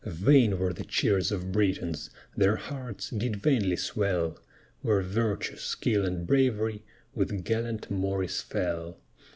Vain were the cheers of Britons, Their hearts did vainly swell, Where virtue, skill, and bravery With gallant Morris fell.